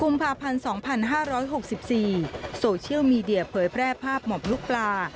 ในปี๒๕๖๔โซเชียลมีเดียเผยแพร่ภาพหม่อมลูกปลา